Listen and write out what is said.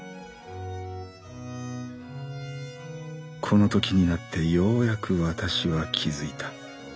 このときになってようやくわたしは気づいた。